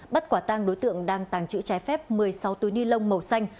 bắt quả tang đối tượng đang tàng trữ trái phép một mươi sáu túi ni lông màu xanh